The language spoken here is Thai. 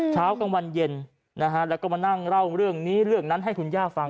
เช้ากลางวันเย็นนะฮะแล้วก็มานั่งเล่าเรื่องนี้เรื่องนั้นให้คุณย่าฟัง